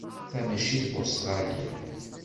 Ta maci d Ustṛalya.